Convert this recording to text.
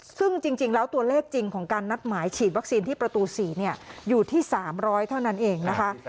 ซึ่งจริงแล้วตัวเลขจริงของการนัดหมายฉีดวัคซีนที่ประตู๔อยู่ที่๓๐๐เท่านั้นเองนะคะ